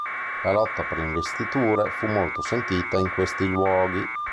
La lotta per le investiture fu molto sentita in questi luoghi.